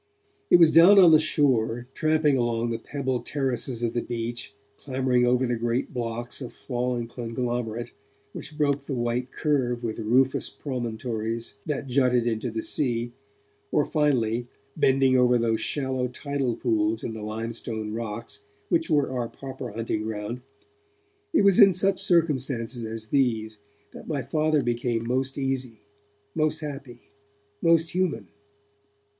It was down on the shore, tramping along the pebbled terraces of the beach, clambering over the great blocks of fallen conglomerate which broke the white curve with rufous promontories that jutted into the sea, or, finally, bending over those shallow tidal pools in the limestone rocks which were our proper hunting ground, it was in such circumstances as these that my Father became most easy, most happy, most human.